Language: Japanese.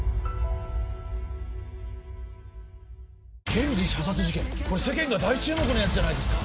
検事射殺事件世間が大注目のやつじゃないですか！